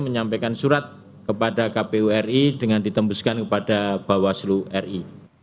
menyampaikan surat kepada kpu ri dengan ditembuskan kepada bawaslu ri